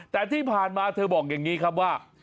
แต่ที่ผ่านมาเธอบอกอย่างนี้ครับว่า